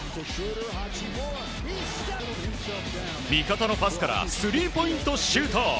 味方のパスからスリーポイントシュート。